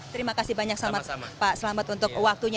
terima kasih banyak pak selamat untuk waktunya